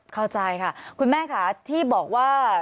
เข้าใจค่ะคุณแม่ค่ะที่บอกว่า